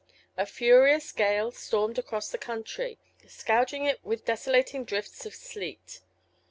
A furious gale stormed across the country, scourging it with desolating drifts of sleet.